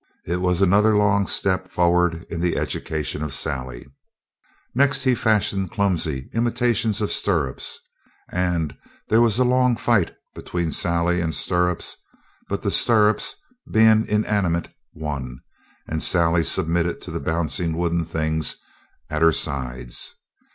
It was another long step forward in the education of Sally. Next he fashioned clumsy imitations of stirrups, and there was a long fight between Sally and stirrups, but the stirrups, being inanimate, won, and Sally submitted to the bouncing wooden things at her sides.